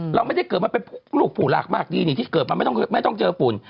เราไม่ได้เกิดมาเป็นลูกผู้หลักมากดีนี่ที่เกิดมาไม่ต้องเจอฝุ่น